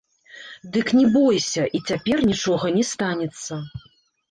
Дык не бойся, і цяпер нічога не станецца.